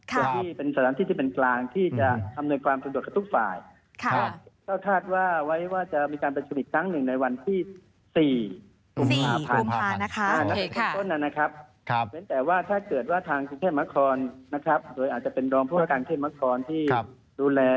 หรือเป็นสถานที่เป็นกลางที่จะทำหน่อยความประโดดกับทุกฝ่าย